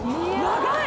長い！